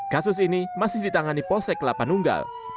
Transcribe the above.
kasus ini masih ditangani posek lapanunggal